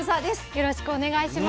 よろしくお願いします。